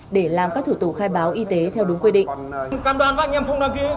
để làm các thủ tục khai báo y tế theo đúng quy định